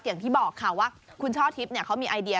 อย่างที่บอกค่ะว่าคุณช่อทิพย์เขามีไอเดีย